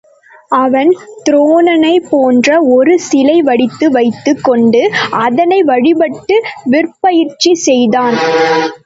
அவன் துரோணனைப் போன்ற ஒரு சிலை வடித்து வைத்துக் கொண்டு அதனை வழிபட்டு விற்பயிற்சி செய்தான்.